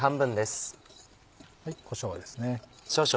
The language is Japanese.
こしょうですね。